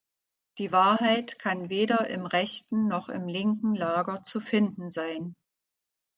Die Wahrheit kann weder im rechten noch im linken Lager zu finden sein.